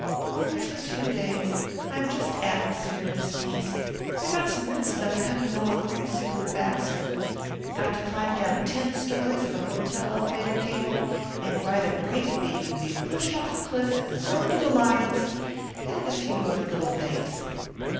"Only for two days. I'm just atmosphere in this piece. I got some real stuff coming along pretty soon for Baxter. Got to climb down ten stories of a hotel elevator cable, and ride a brake beam and be pushed off a cliff and thrown to the lions, and a few other little things."